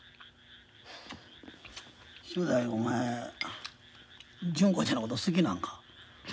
正太夫お前純子ちゃんのこと好きなんか？